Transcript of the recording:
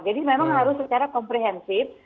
jadi memang harus secara komprehensif